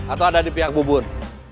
atau ada di pihak bubun